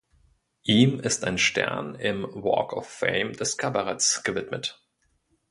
Ihm ist ein Stern im Walk of Fame des Kabaretts gewidmet.